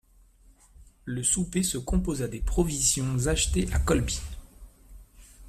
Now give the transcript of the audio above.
Le souper se composa des provisions achetées à Kholby.